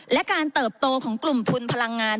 และการเติบโตของกลุ่มทุนพลังงาน